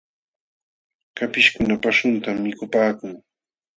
Kapishkuna paśhuntam mikupaakun.